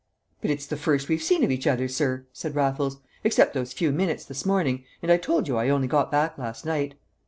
"But it's the first we've seen of each other, sir," said Raffles, "except those few minutes this morning. And I told you I only got back last night."